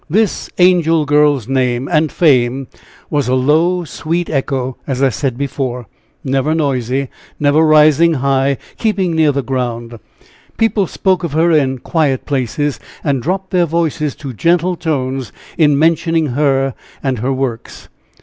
This angel girl's name and fame was a low, sweet echo, as I said before never noisy, never rising high keeping near the ground. People spoke of her in quiet places, and dropped their voices to gentle tones in mentioning her and her works.